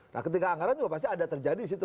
nah ketika anggaran juga pasti ada terjadi di situ